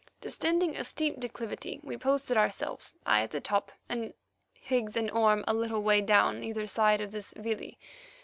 Descending a steep declivity, we posted ourselves, I at the top, and Higgs and Orme a little way down either side of this vlei.